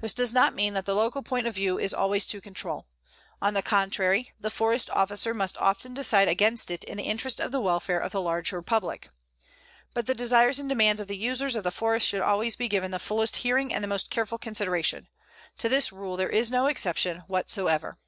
This does not mean that the local point of view is always to control. On the contrary, the Forest Officer must often decide against it in the interest of the welfare of the larger public. But the desires and demands of the users of the forest should always be given the fullest hearing and the most careful consideration. To this rule there is no exception whatsoever.